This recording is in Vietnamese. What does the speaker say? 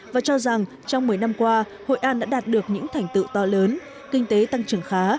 và cho rằng trong một mươi năm qua hội an đã đạt được những thành tựu to lớn kinh tế tăng trưởng khá